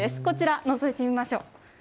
こちら、のぞいてみましょう。